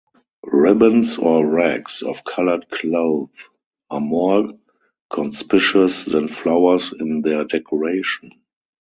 Ribbons or rags of colored cloth are more conspicuous than flowers in their decoration.